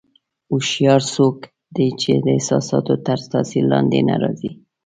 هوښیار څوک دی چې د احساساتو تر تاثیر لاندې نه راځي.